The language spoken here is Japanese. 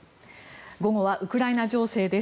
午後はウクライナ情勢です。